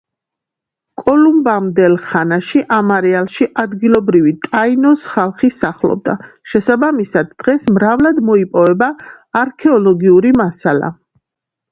კოლუმბამდელ ხანაში ამ არეალში ადგილობრივი ტაინოს ხალხი სახლობდა, შესაბამისად, დღეს მრავლად მოიპოვება არქეოლოგიური მასალა.